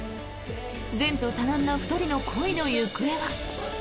前途多難な２人の恋の行方は？